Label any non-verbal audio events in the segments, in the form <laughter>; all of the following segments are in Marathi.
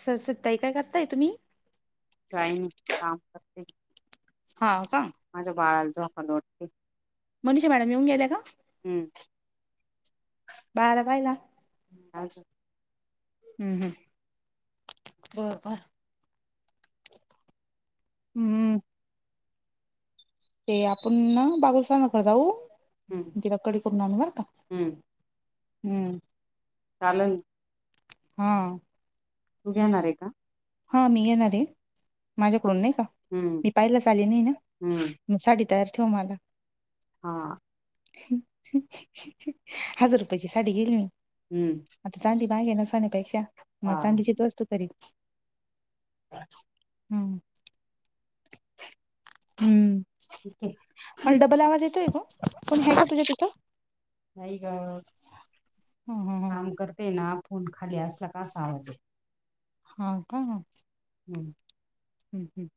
सर सताई काय करताय तुम्ही. कायनी काम करते. हा का माझ्या बाळाला झोका लोटते. मनीषा मॅडम येऊन गेल्या का. हम्म बाळाला पाहिला हम्म हम् बरबर हम्म ते आपण ना बागूस न घ जाऊ तिला कडी करून आणू बर का हम्म चालल हा तुम्ही येणारे, हं मी येणार आहे, माझ्याकडून नाही का. मी पाहिलाच आले नाही ना, म साडी तयार ठेव मला. <unintelligible> हजार रुपयाची साडी घेईल मी. आता चांदी महाग आहे ना सोन्यापेक्षा, मग चांदीचीच वस्तू करीन. <inaudible> हम हम्म पण डबल आवाज येतोय का, कोणी आहे का तुझ्या तिथं. नही गं. काम करते ना, फोन खाली असला का असा आवाज येतो. हा काय ना हम्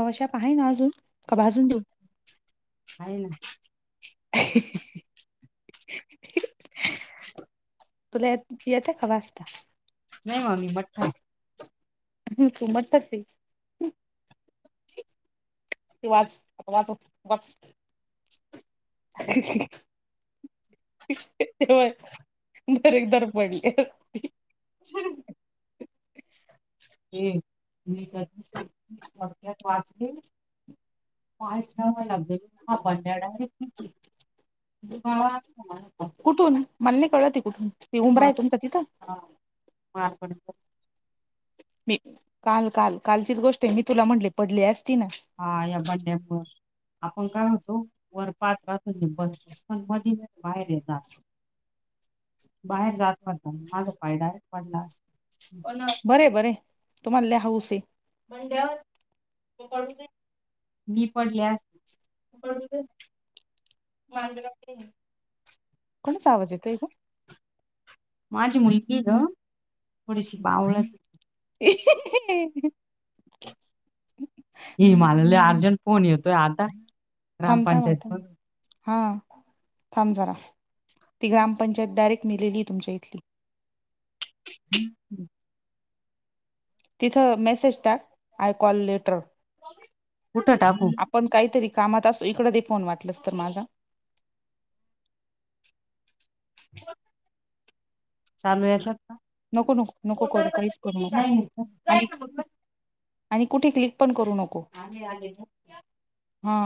ओवाशाप आहे ना अजून, का भाजून देऊ. <inaudible> तुला येतं येत का वाचता. हा <unintelligible> ते वाच आता वाचव वाच. तेवय बर एकदर पडले. <inaudible> मक्यात वाचली पाय ठेवायला गेली. कुठून मल नाही कळत आहे कुठून, ते उमरा आहे तुमचा तिथं. मारकड मी काल काल कालचीच गोष्ट आहे मी तुला म्हटली पडली असती ना. हा ए ब आपण काय होतो वर पाहत राहतो ते भसकण मधी बाहेर येतात बाहेर जात होता माझा पाय डायरेक्ट मोडला असता. बरे बरे तुम्हाला लय हौस आहे. <inaudible> होत कोणाचा आवाज येतोय गं. माझी मुलगी ग. थोडीशी बावळट <inaudible> ही <inaudible> अर्जंट फोन येतोय आता ग्रामपंचायतून हा थांब जरा ती ग्रामपंचायत डायरेक्ट <inaudible> तुमच्या इथली हम् तिथं मेसेज टाक आय कॉल लेटर कुठं टाकू आपण काहीतरी कामात असो इकडं दे फोन वाटलसं तर माझा नको नको नको करू काहीच करू नको आणि कुठे क्लिक पण करू नको <inaudible> हा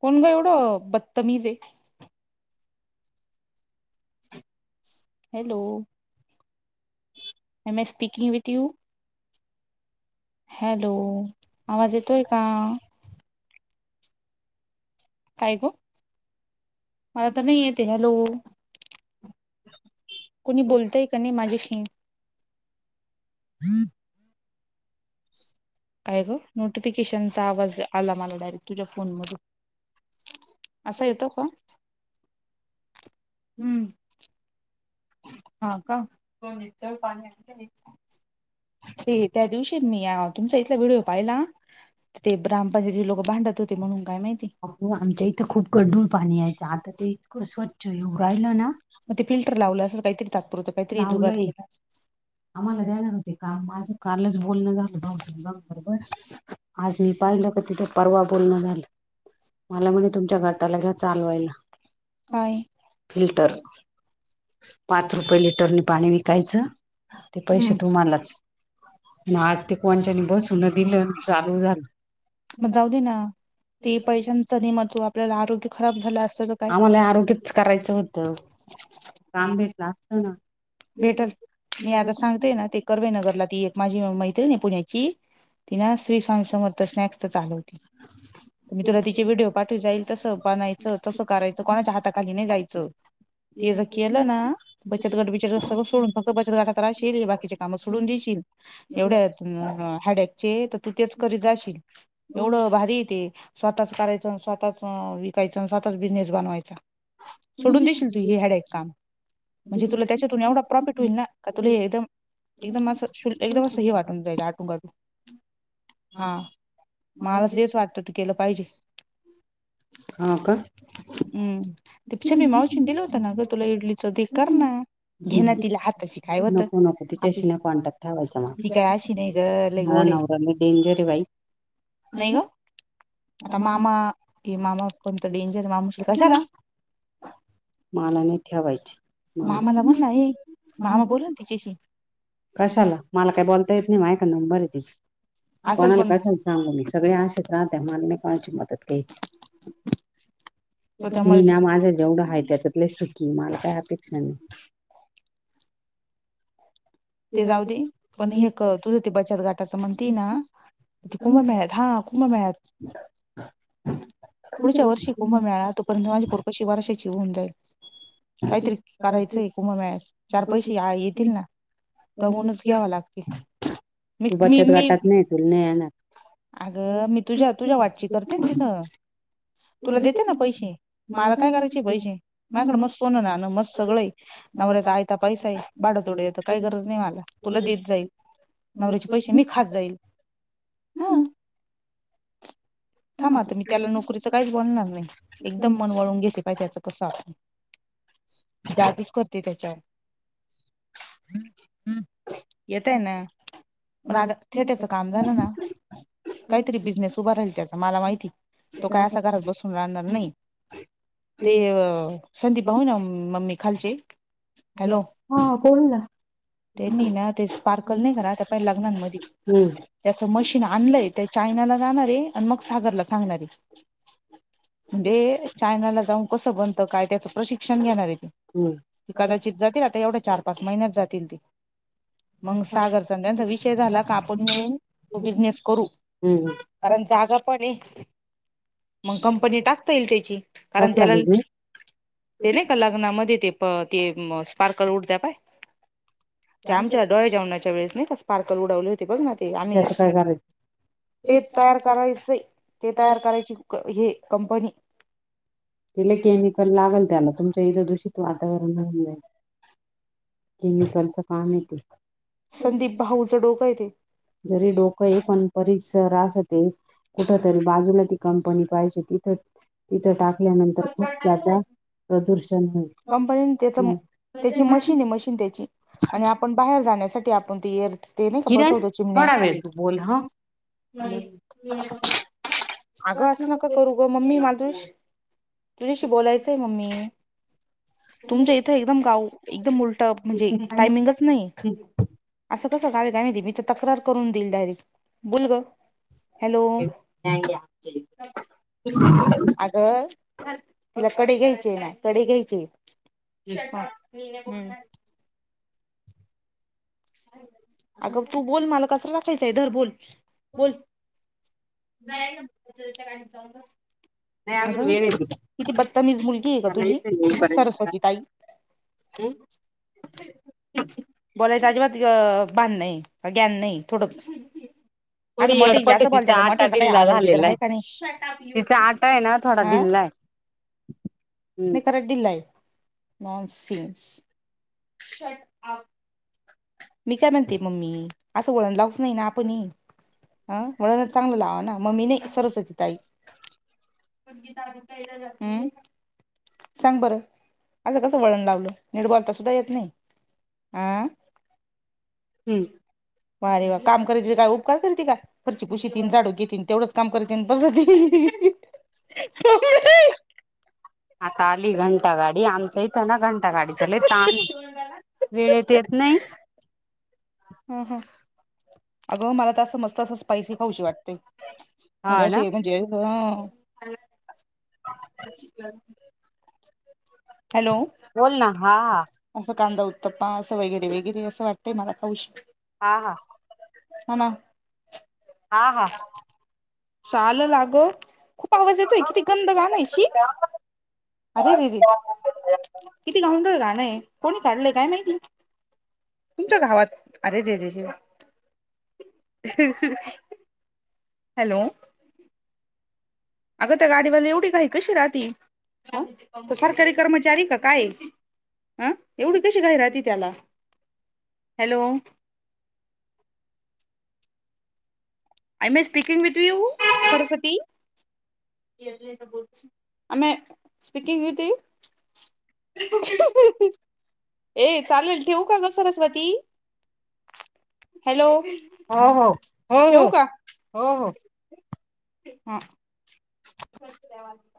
कोण गं एवढं बतमीज hi <unintelligible> hello I'm air speaking with you hello आवाज येतोय का. काय गो मला तर नाही येते. हॅलो कोणी बोलतंय का नाही माझ्याशी. <unintelligible> काय गं नोटिफिकेशनचा आवाज आला मला डायरेक्ट तुझ्या फोन मधून असं येतो का हम्म हा का <inaudible> नितळ पाणी आहे का नाही ऐ त्या दिवशी मी तुमच्या इथला व्हिडिओ पाहिला ते ग्रामपंचायतीची लोक भांडत होते म्हणून काय माहिती <inaudible> आमच्या इथं खूप गढूळ पाणी पाणी यायचं आता इतकं ते स्वच्छ येऊ राहिलं ना फिल्टर लावलं असल काहीतरी तात्पुरत काहीतर जुगाट केलं असल आम्हाला द्यायल नव्हतं ते काम माझं कालच बोलणं झालं <inaudible> आज मी पाहिलं का तिथं परवा बोलणं झालं मला म्हणं तुमच्या <inaudible> फिल्टर पाच रुपये लिटरनं पाणी विकायचं ते पैसे तुम्हांलाच आज ती कोणच्यानं बसवून दिलं आणि चालू झालं मग जाऊ दे ना ते पैशाचं नाही महत्त्व आपल्याला आरोग्य खराब झालं असतं तर काय भेटल मी आता सांगते ना ती कर्वेनगरला माझी मैत्रीण आहे पुण्याची ती ना श्री स्वामी समर्थ स्नॅक्स चालवते तुम्ही तिला तिचे व्हिडिओ पाठी जाईल तसं बनायचं तसं करायचं कोणाच्या हाताखाली नाही जायचं <unintelligible> केलं ना बचत गट बिचत गट सगळं सोडून फक्त बचत गटात राहशील बाकीचं कामं सोडून देशील एवढ्यात हाडॅकचे तर तू तेच करीत जाशील एवढं भारी आहे ते स्वतःच करायचं स्वतःच विकायचं स्वतःच बिझनेस बनवायचा सोडून देशील तू हे हडॅक काम म्हणजे तुला त्यांच्यांतून पण एवढा प्रॉफिट होईल ना का तुला एकदम एकदम अस शुल्क एकदम असं हे वाटून जाईल आटून काटून हा मला तेच वाटतं केलं पाहिजे हम्म तेछभी मावशीन दिलं होता ना गं <inaudible> कर ना घे तिला हाताशी नको नको तिच्यांशी ना कॉन्टॅक्ट ठेवायचा मला मला नवऱ्याला डेंजर बाई आता मामा हे मामा कोणत डेंजर माणूस कशाला मला नाही ठेवायचे मामा बोलला तिच्याशी कशाला मला काही बोलता येत नाही माऐ का नंबर तिचा कोणाला काय झाल सांगू मी सगळे आशेच राहत्यात माझ्या मदत घ्यायची मी ना माझं जेवढं आहे त्याच्यातले सुखी मला काय अपेक्षा नाही ते जाऊ दे पण हे तुझं ते बचत घाटाचं म्हणते ना कुंभमेळ्यात हा कुंभमेळ्यात हा पुढच्या वर्षी कुंभ मिळा तोपर्यंत माझ्या पूरक शिवाराशाची होऊन जाईल काहीतरी करायचंय कुभमेळा चार पैसे येतील बघूनच घ्यावा लागतील तू बचत गटात नाही तुला नाही आणणार <unintelligible> तुला देते ना पैसे मला काय करायचे पैसे माझ्याकड मस् सोनं नान मस् सगळें आहे नवऱ्याचा आयता पैसा आहे भाडतोड येत काही गरज नाही मला तुला देत जाईल नवऱ्याचे पैसे मी खात जाईल हा थांबा तुम्ही <inaudible> काहीच बोलणार नाही एकदम मन वळून घेते पाहि त्याच कसं आता जादूचं करते त्यांच्यावर येतय ना पण आता ते त्याच काम झालं ना काहीतरी बिझनेस उभा राहील त्याचा मला माहिती तो काय असा घरात बसून राहणार नाही ते संदीप भाऊ ना मम्मी खालचे हॅलो हा बोल ना येत नाही ना ते स्पार्कल नाही करा त्या पहिला लग्ना मधी त्याचं मशीन आणलंय त्या चायनाला जाणारे आणि मग सागरला सांगणारे,, म्हणजे चायनाला जाऊन कसं बनतं काय त्याचं प्रशिक्षण घेणार आहे ते ती कदाचित जातील आता एवढ्या चार पाच महिन्यात जातील ती,, मग सागरचा त्यांचा विषय झाला का आपण मिळून तो बिझनेस करू कारण जागा पण आहे मग कंपनी टाकता येईल त्याची कारण त्याला ते नाही का लग्नामध्ये ते प ते स्पार्कल उडत काय ते आमच्या डोळे्या जेवणाच्या वेळेस नाही का स्पार्कल उडवले होते बघ ना ते आम्ही टेप तयार करायचं, तयार करायची हे कंपनी तिले केमिकल लागल त्याला तुमच्या इथं दूषित वातावरण ते मी कालच काम आहे ते संदीप भाऊचं डोक हे ते. जरी डोकं आहे पण परिसर असते, कुठ तरी बाजूला ती कंपनी पाहिजे तिथ तिथं टाक. ल्यानंतर खूप त्याचा प्रदूषण होईल <unintelligible> त्यांचीआणि आपण बाहेर जाण्यासाठी आपन, ती <unintelligible> ते नाही का बसवतो चिमण्या आग आस नको करू. वो मम्मी मला तुश तुझ्याशी बोलायचंय मम्मी. तुमच्या इथं एकदम गाव एकदम, उलट म्हणजे टायमिंगच नाही असं कसं गाव आहे काय माहीती मीत तक्रार करून, दील डायरेक बोल ग, <inaudible> आगं तुला कडी घ्यायची आहे ना, कडी घ्यायची. <unintelligible> हम्म. अगं तू बोल मला कसरा टाकायचं आहे धर बोल बोल. <unintelligible> अगं किती बदतमीज मुलगी आहे तुझी सरस्वती ताई. बोलायचं अजिबात अ भान नाही ग्यान नाही थोडं <unintelligible> थोडी यडपट हे तिचा आटा ढिल्ला, झालेला आहे तिचा आटा आहे ना, थोडा ढिल्लाय. <inaudible> मी क डिलाई नॉनसीन्स शटआप. मी काय म्हणते मम्मी आसं, वळण लावूच नाही न, आपण ही. ह वळण चांगलं लावा ना, मम्मी नाही सरस्वती ताई. तारीयला जात <unintelligible> हम्म. सांग बरं आंस कसं वळण लावल. निट बोलता सुुद्धा येत नाही आं. वारे रे वा काम करराची काय उपकार करयती का? फरचशी पुशीतीलन जाडू घेन तेवढंच, काम करतील बसती. ह आली घंटा गाडी आम तहेना घंटा गाडीच लय तान हे वेळेत येत नाही. ह ह अगं मला त मस्त, अस स्पायसी खाऊची वाटते. म्हणजे अशी म्हणजे ह. अच्छा <unintelligible> हॅलो. बोल ना हा. असं कांदा उत्तप्पा असं वगैरे, वगैरे असं वाटतंय मला खहशे. हा हा. हा ना, हा हा. चालल आग खूप आवाज येतोय किती गंंद गानय शी अरे रे रे किती गाउंढल गाणं आहे. कोणी काढलंय काय माहिती तुमच्या गावात अरे रे रे <unintelligible> हॅलो. अगं त्या गाडीवाला एवढी घाई कशी राहती, अ सरकारी कर्मचारी का काय? अ एवढी कशी घाई राहती त्याला hello. I am A speaking with you Saraswati. <unintelligible> आम स्पिकिंग यती <unintelligible> <unintelligible> ये चालेल ठेवू का ग सरस्वती हॅलो. होहो होहो होहो. ह. ह.